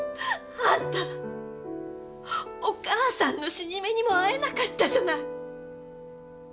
あんたお母さんの死に目にも会えなかったじゃない。